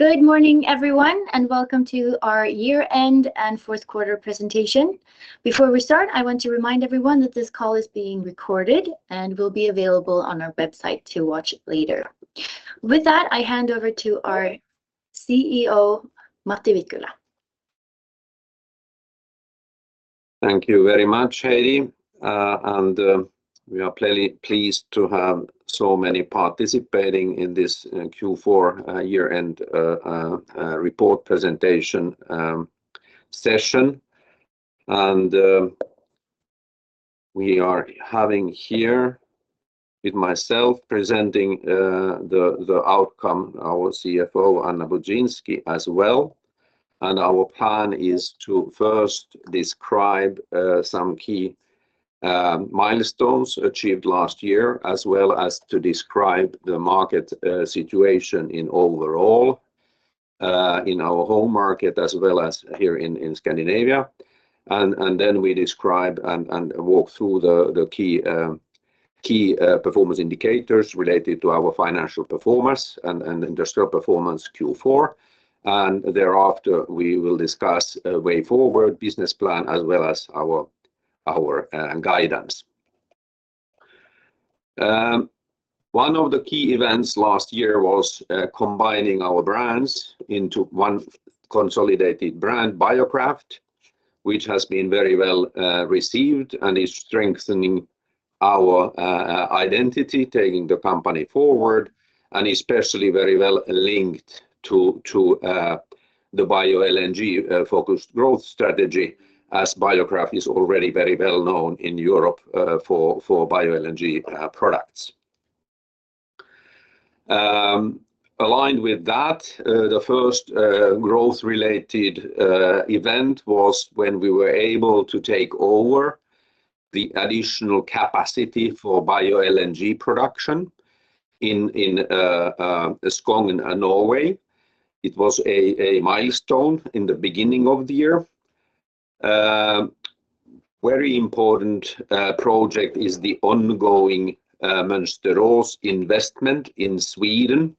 Good morning, everyone, and welcome to our year-end and fourth quarter presentation. Before we start, I want to remind everyone that this call is being recorded and will be available on our website to watch later. With that, I hand over to our CEO, Matti Vikkula. Thank you very much, Heidi, and we are plainly pleased to have so many participating in this Q4 year-end report presentation session. And we are having here with myself presenting the outcome, our CFO, Anna Budzynski, as well. And our plan is to first describe some key milestones achieved last year, as well as to describe the market situation in overall in our home market, as well as here in Scandinavia. And then we describe and walk through the key performance indicators related to our financial performance and industrial performance Q4. And thereafter, we will discuss a way forward business plan, as well as our guidance. One of the key events last year was combining our brands into one consolidated brand, Biokraft, which has been very well received and is strengthening our identity, taking the company forward, and especially very well linked to the Bio-LNG focused growth strategy, as Biokraft is already very well known in Europe for Bio-LNG products. Aligned with that, the first growth-related event was when we were able to take over the additional capacity for Bio-LNG production in Skogn in Norway. It was a milestone in the beginning of the year. Very important project is the ongoing Mönsterås investment in Sweden.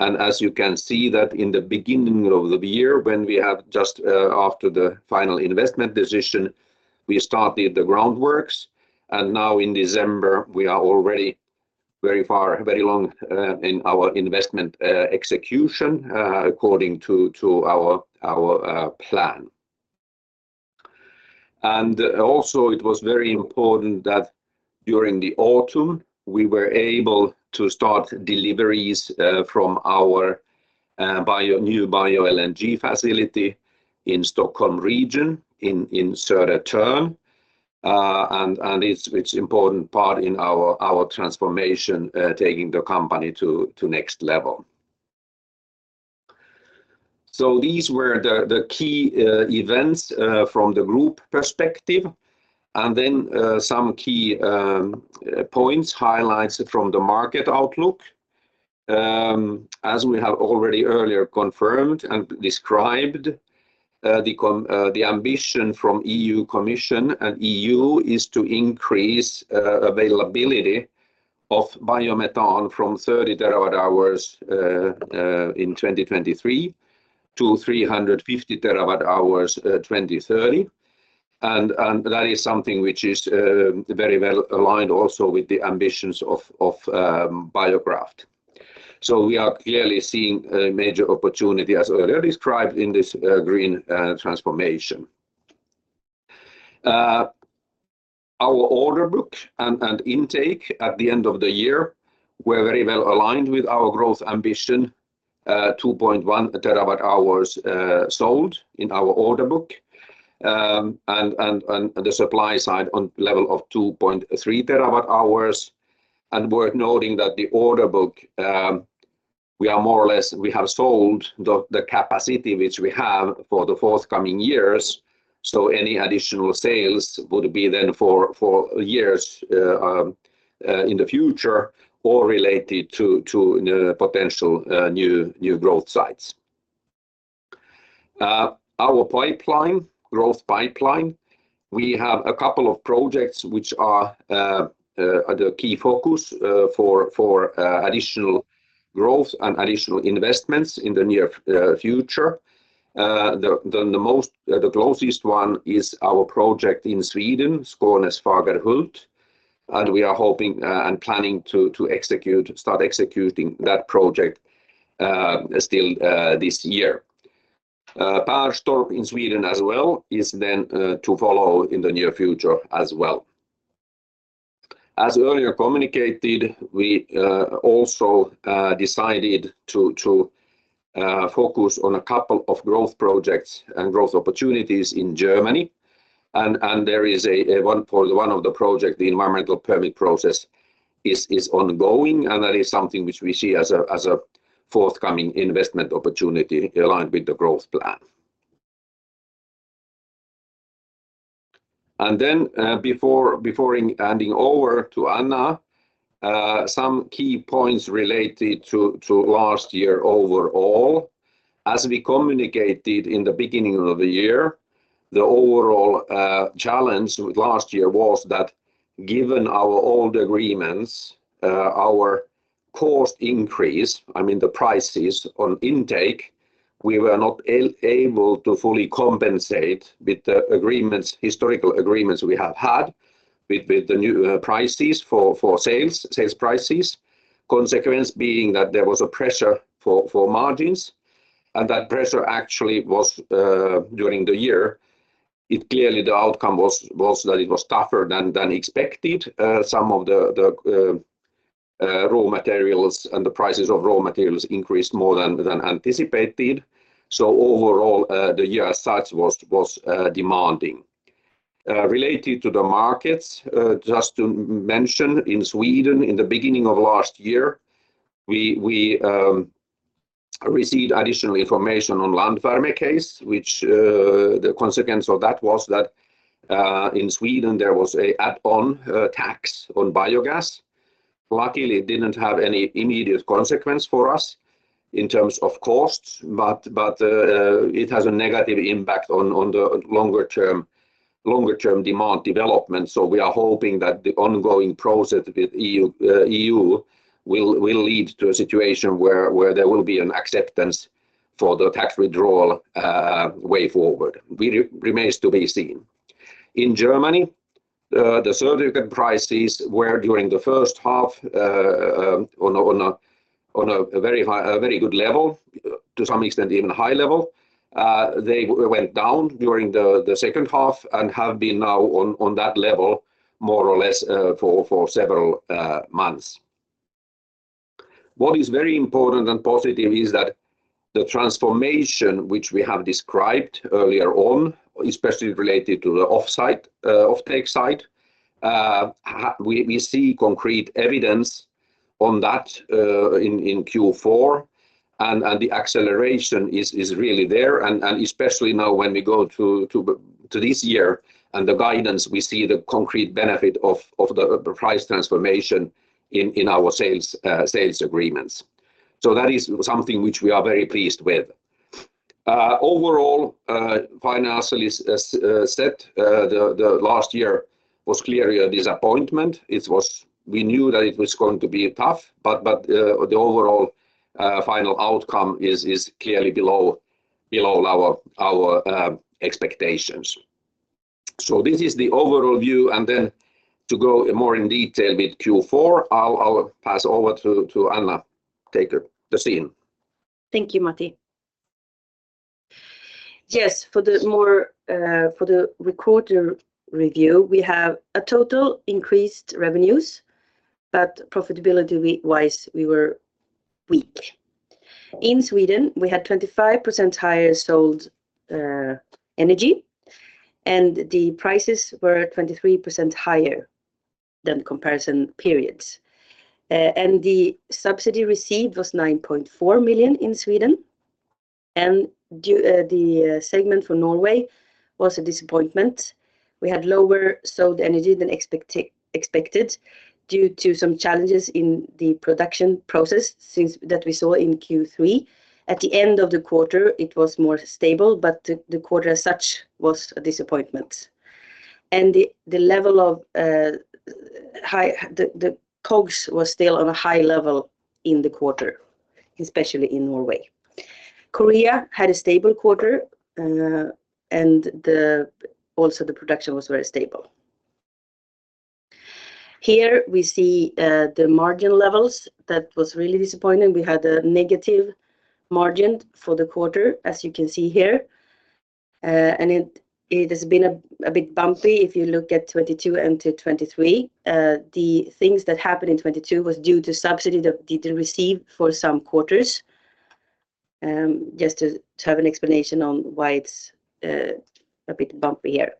And as you can see, that in the beginning of the year, when we have just after the final investment decision, we started the groundworks, and now in December, we are already very far along in our investment execution according to our plan. And also, it was very important that during the autumn, we were able to start deliveries from our new Bio-LNG facility in the Stockholm region, in Södertörn. And it's an important part in our transformation, taking the company to the next level. So these were the key events from the group perspective, and then some key points, highlights from the market outlook. As we have already earlier confirmed and described, the com... The ambition from EU Commission and EU is to increase availability of biomethane from 30 TWh in 2023 to 350 TWh 2030. That is something which is very well aligned also with the ambitions of Biokraft. So we are clearly seeing a major opportunity, as earlier described, in this green transformation. Our order book and intake at the end of the year were very well aligned with our growth ambition, 2.1 TWh sold in our order book, and the supply side on level of 2.3 TWh. Worth noting that the order book, we are more or less, we have sold the capacity which we have for the forthcoming years, so any additional sales would be then for years in the future or related to potential new growth sites. Our growth pipeline, we have a couple of projects which are the key focus for additional growth and additional investments in the near future. The closest one is our project in Sweden, Skånes Fagerhult, and we are hoping and planning to start executing that project still this year. Perstorp in Sweden as well is then to follow in the near future as well. As earlier communicated, we also decided to focus on a couple of growth projects and growth opportunities in Germany. There is one for one of the projects, the environmental permit process is ongoing, and that is something which we see as a forthcoming investment opportunity aligned with the growth plan. Before handing over to Anna, some key points related to last year overall. As we communicated in the beginning of the year, the overall challenge with last year was that given our old agreements, our cost increase, I mean, the prices on intake, we were not able to fully compensate with the agreements, historical agreements we have had with the new prices for sales prices. Consequence being that there was a pressure for margins, and that pressure actually was during the year. It clearly the outcome was that it was tougher than expected. Some of the raw materials and the prices of raw materials increased more than anticipated. So overall, the year as such was demanding. Related to the markets, just to mention, in Sweden, in the beginning of last year, we received additional information on Landwärme case, which, the consequence of that was that in Sweden, there was an add-on tax on biogas. Luckily, it didn't have any immediate consequence for us in terms of costs, but it has a negative impact on the longer term demand development. So we are hoping that the ongoing process with EU, EU, will lead to a situation where there will be an acceptance for the tax withdrawal way forward. Remains to be seen. In Germany, the certificate prices were, during the first half, on a very high, a very good level, to some extent, even high level. They went down during the second half and have been now on that level, more or less, for several months. What is very important and positive is that the transformation which we have described earlier on, especially related to the offsite offtake site, we see concrete evidence on that in Q4, and the acceleration is really there. Especially now when we go to this year and the guidance, we see the concrete benefit of the price transformation in our sales agreements. So that is something which we are very pleased with. Overall, financially, as said, the last year was clearly a disappointment. It was... We knew that it was going to be tough, but the overall final outcome is clearly below our expectations. So this is the overall view, and then to go more in detail with Q4, I'll pass over to Anna to take the scene. Thank you, Matti. Yes, for the more, for the quarter review, we have a total increased revenues, but profitability-wise, we were weak. In Sweden, we had 25% higher sold energy, and the prices were 23% higher than comparison periods. And the subsidy received was 9.4 million in Sweden, and due, the segment for Norway was a disappointment. We had lower sold energy than expected due to some challenges in the production process, since that we saw in Q3. At the end of the quarter, it was more stable, but the quarter as such was a disappointment. And the level of high, the COGS was still on a high level in the quarter, especially in Norway. Korea had a stable quarter, and also, the production was very stable. Here we see the margin levels. That was really disappointing. We had a negative margin for the quarter, as you can see here, and it, it has been a, a bit bumpy if you look at 2022 into 2023. The things that happened in 2022 was due to subsidy that didn't receive for some quarters. Just to have an explanation on why it's a bit bumpy here.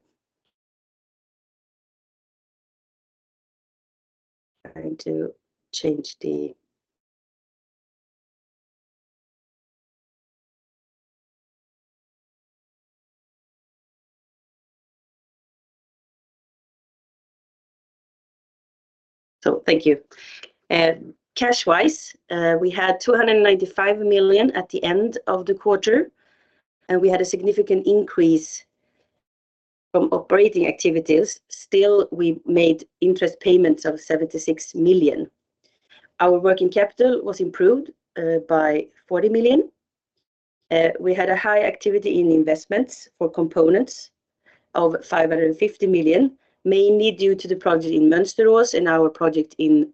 So thank you. Cash-wise, we had 295 million at the end of the quarter, and we had a significant increase from operating activities. Still, we made interest payments of 76 million. Our working capital was improved by 40 million. We had a high activity in investments for components of 550 million, mainly due to the project in Mönsterås and our project in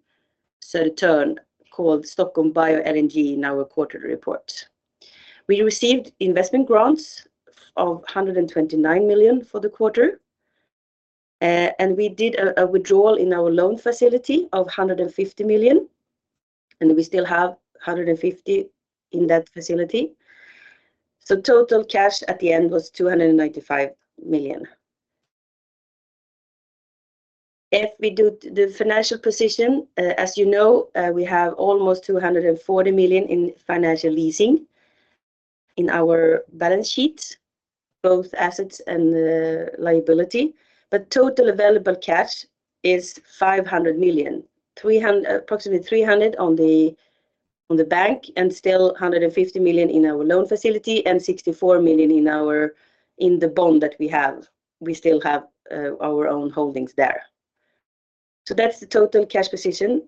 Södertörn, called Stockholm Bio-LNG in our quarterly report. We received investment grants of 129 million for the quarter, and we did a withdrawal in our loan facility of 150 million, and we still have 150 million in that facility. So total cash at the end was 295 million. If we do the financial position, as you know, we have almost 240 million in financial leasing in our balance sheet, both assets and liability, but total available cash is 500 million. Approximately 300 on the bank, and still 150 million in our loan facility, and 64 million in the bond that we have. We still have our own holdings there. So that's the total cash position.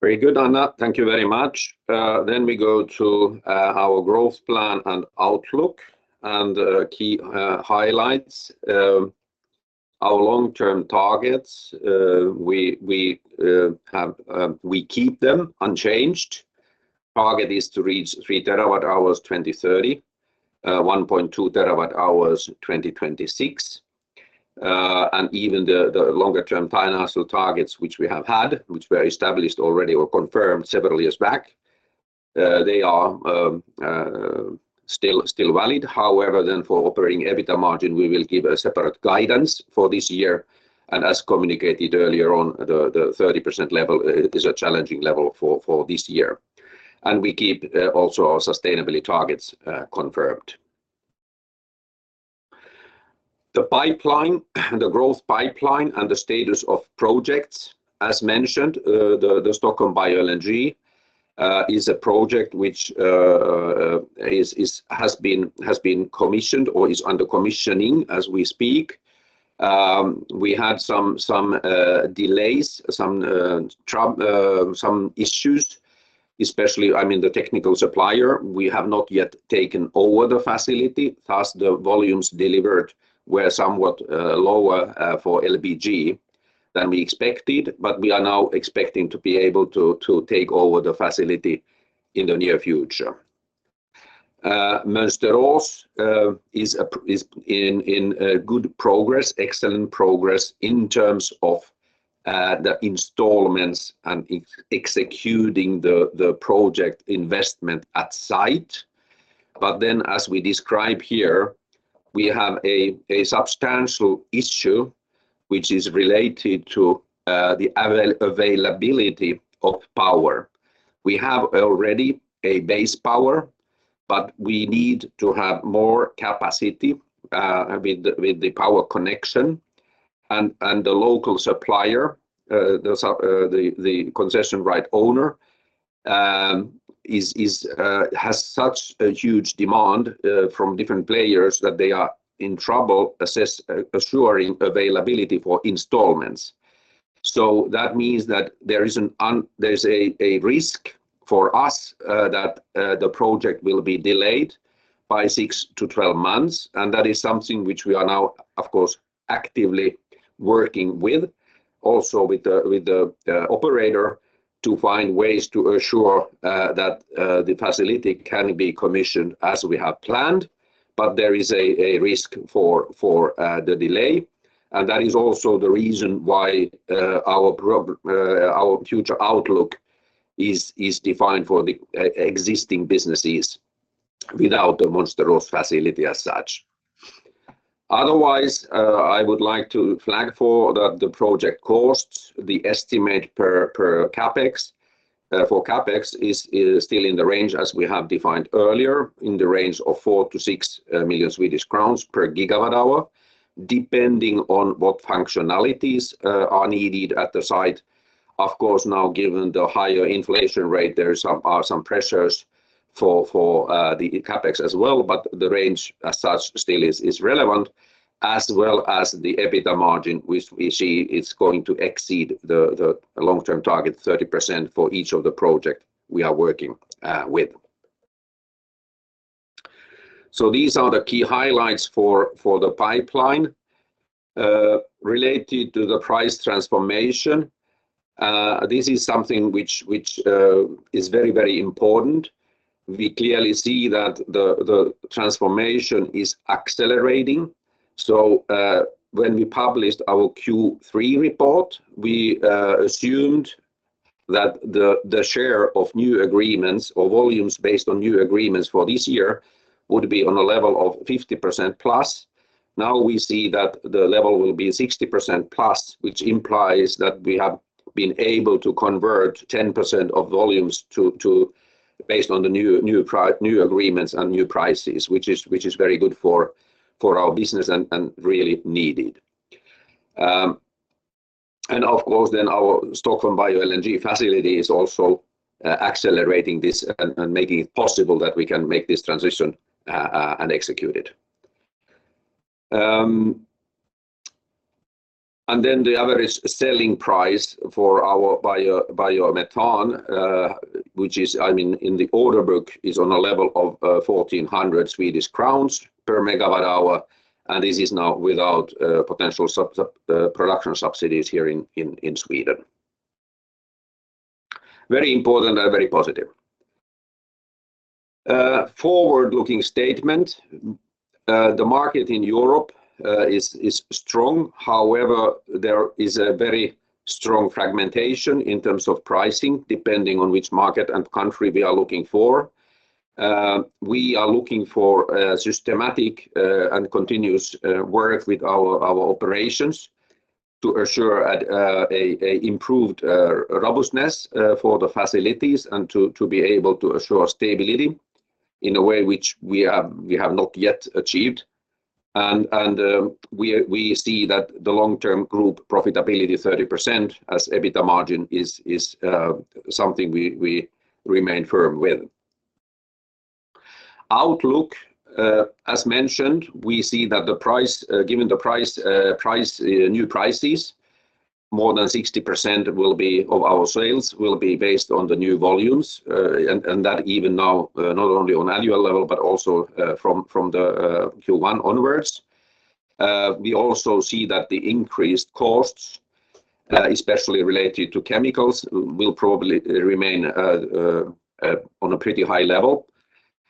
Very good, Anna. Thank you very much. Then we go to our growth plan and outlook, and key highlights. Our long-term targets, we have, we keep them unchanged. Target is to reach 3 TWh, 2030, 1.2 TWh, 2026. And even the longer-term financial targets, which we have had, which were established already or confirmed several years back, they are still valid. However, then for operating EBITDA margin, we will give a separate guidance for this year, and as communicated earlier on, the 30% level is a challenging level for this year. And we keep also our sustainability targets confirmed. The pipeline, the growth pipeline, and the status of projects, as mentioned, the Stockholm Bio-LNG is a project which has been commissioned or is under commissioning as we speak. We had some delays, some issues, especially, I mean, the technical supplier, we have not yet taken over the facility, thus, the volumes delivered were somewhat lower for LBG than we expected, but we are now expecting to be able to take over the facility in the near future. Mönsterås is in good progress, excellent progress in terms of the installments and executing the project investment at site. But then, as we describe here, we have a substantial issue, which is related to the availability of power. We have already a base power, but we need to have more capacity with the power connection, and the local supplier, the concession right owner, has such a huge demand from different players that they are in trouble assessing availability for installations. So that means that there is a risk for us that the project will be delayed by 6-12 months, and that is something which we are now, of course, actively working with, also with the operator, to find ways to assure that the facility can be commissioned as we have planned. There is a risk for the delay, and that is also the reason why our future outlook is defined for the existing businesses without the Mönsterås facility as such. Otherwise, I would like to flag for the project costs, the estimate per CapEx. For CapEx is still in the range, as we have defined earlier, in the range of 4 million-6 million Swedish crowns per gigawatt-hour, depending on what functionalities are needed at the site. Of course, now, given the higher inflation rate, there are some pressures for the CapEx as well, but the range as such still is relevant, as well as the EBITDA margin, which we see it's going to exceed the long-term target, 30%, for each of the project we are working with. So these are the key highlights for the pipeline. Related to the price transformation, this is something which is very, very important. We clearly see that the transformation is accelerating. So, when we published our Q3 report, we assumed that the share of new agreements or volumes based on new agreements for this year would be on a level of 50% plus. Now, we see that the level will be 60%+, which implies that we have been able to convert 10% of volumes to, based on the new agreements and new prices, which is very good for our business and really needed. And of course, then our Stockholm Bio-LNG facility is also accelerating this and making it possible that we can make this transition and execute it. And then the other is selling price for our biomethane, which is, I mean, in the order book, is on a level of 1,400 Swedish crowns per megawatt-hour, and this is now without potential production subsidies here in Sweden. Very important and very positive. Forward-looking statement, the market in Europe is strong. However, there is a very strong fragmentation in terms of pricing, depending on which market and country we are looking for. We are looking for systematic and continuous work with our operations to assure an improved robustness for the facilities and to be able to assure stability in a way which we have not yet achieved, and we see that the long-term group profitability 30% as EBITDA margin is something we remain firm with. Outlook, as mentioned, we see that given the new prices, more than 60% will be of our sales, will be based on the new volumes, and that even now, not only on annual level, but also from the Q1 onwards. We also see that the increased costs, especially related to chemicals, will probably remain on a pretty high level.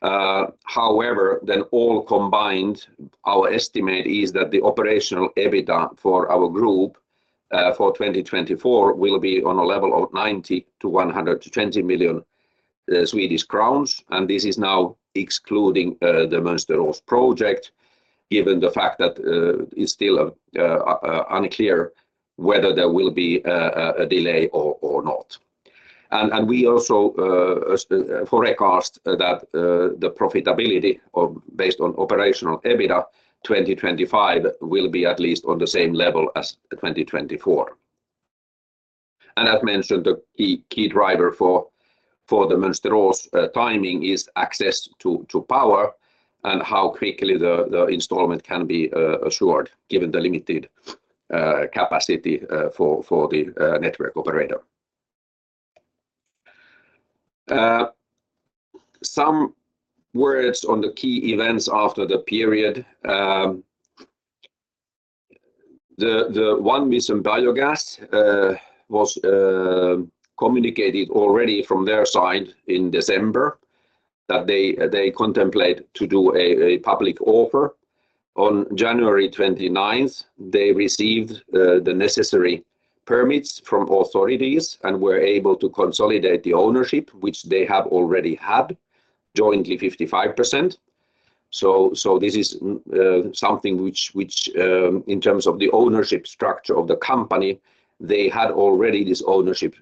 However, then all combined, our estimate is that the operational EBITDA for our group, for 2024, will be on a level of 90-120 million Swedish crowns, and this is now excluding the Mönsterås project, given the fact that it's still unclear whether there will be a delay or not. And we also forecast that the profitability of based on operational EBITDA 2025, will be at least on the same level as 2024. As mentioned, the key, key driver for the Mönsterås timing is access to power, and how quickly the installation can be assured, given the limited capacity for the network operator. Some words on the key events after the period. The 1Vision Biogas was communicated already from their side in December, that they contemplate to do a public offer. On January twenty-ninth, they received the necessary permits from authorities, and were able to consolidate the ownership, which they have already had, jointly 55%. So this is something which in terms of the ownership structure of the company, they had already this ownership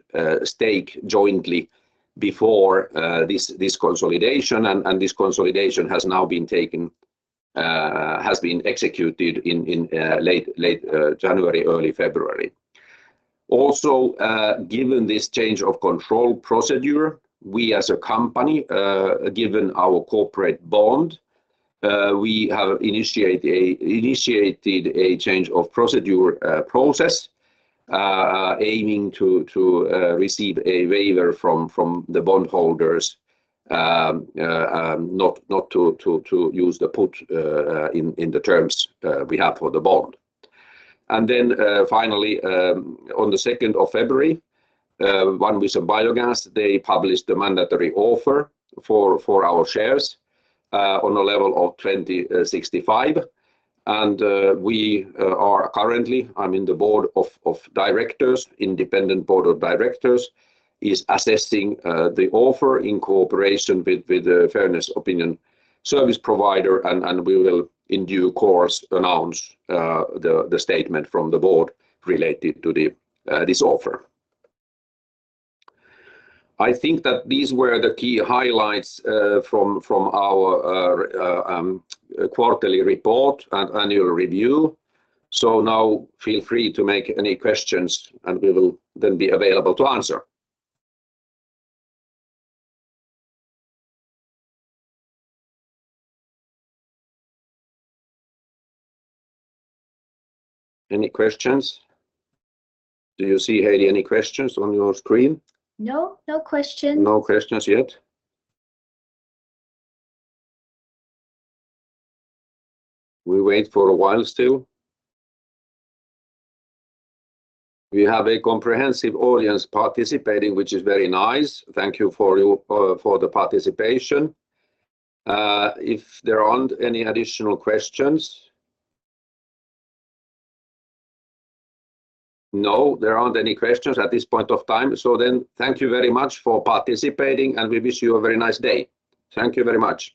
stake jointly before this consolidation, and this consolidation has now been taken, has been executed in late January, early February. Also, given this change of control procedure, we as a company, given our corporate bond, we have initiated a change of procedure, process, aiming to receive a waiver from the bondholders, not to use the put in the terms we have for the bond. And then, finally, on the second of February, 1Vision Biogas, they published the mandatory offer for our shares, on a level of 26.5. We are currently, I mean, the board of directors, independent board of directors, is assessing the offer in cooperation with the fairness opinion service provider, and we will, in due course, announce the statement from the board related to this offer. I think that these were the key highlights from our quarterly report and annual review. So now feel free to make any questions, and we will then be available to answer. Any questions? Do you see, Heidi, any questions on your screen? No, no questions. No questions yet? We wait for a while still. We have a comprehensive audience participating, which is very nice. Thank you for your, for the participation. If there aren't any additional questions... No, there aren't any questions at this point of time. So then, thank you very much for participating, and we wish you a very nice day. Thank you very much.